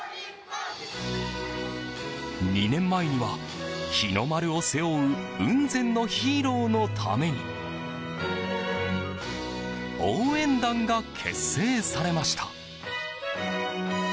２年前には日の丸を背負う雲仙のヒーローのために応援団が結成されました。